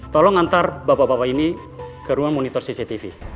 tolong antar bapak bapak ini ke ruang monitor cctv